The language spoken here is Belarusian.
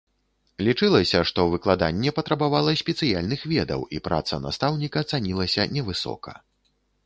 Лічылася, што выкладанне патрабавала спецыяльных ведаў, і праца настаўніка цанілася невысока.